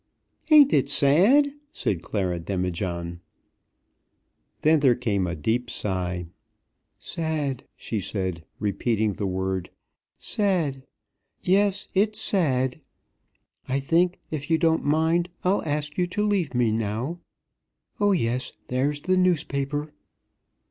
"Ain't it sad?" said Clara Demijohn. Then there came a deep sigh. "Sad," she said, repeating the word; "sad! Yes, it's sad. I think, if you don't mind, I'll ask you to leave me now. Oh, yes; there's the newspaper."